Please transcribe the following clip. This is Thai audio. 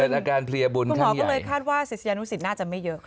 เกิดอาการเพลียบุญครั้งใหญ่